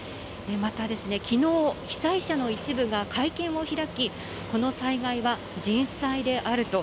また、きのう、被災者の一部が会見を開き、この災害は人災であると。